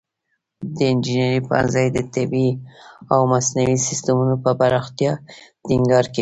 د انجینري پوهنځی د طبیعي او مصنوعي سیستمونو پر پراختیا ټینګار کوي.